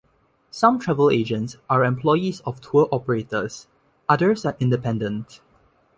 Some travel agents are employees of tour operators, others are independent.